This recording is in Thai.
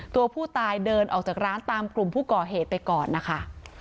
ตัวผู้ตายเดินออกจากร้านตามกลุ่มผู้ก่อเหตุไปก่อนนะคะ